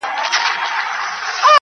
نیکه جانه د هجران لمبو کباب کړم-